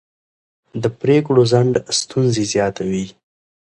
د پرېکړو ځنډ ستونزې زیاتوي